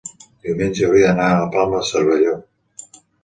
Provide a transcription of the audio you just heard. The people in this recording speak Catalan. diumenge hauria d'anar a la Palma de Cervelló.